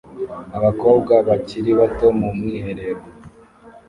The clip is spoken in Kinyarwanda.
Abakobwa bakiri bato mu mwiherero